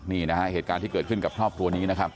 นี่นะฮะเหตุการณ์ที่เกิดขึ้นกับครอบครัวนี้นะครับ